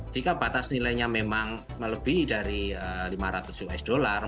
jika batas nilainya memang melebih dari rp lima ratus